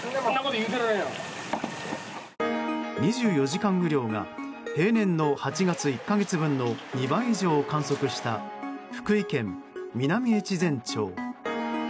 ２４時間雨量が平年の８月１か月分の２倍以上を観測した福井県南越前町。